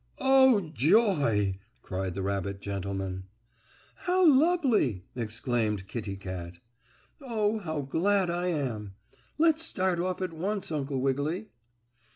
"Oh, joy!" cried the rabbit gentleman. "How lovely!" exclaimed Kittie Kat. "Oh, how glad I am. Let's start off at once, Uncle Wiggily."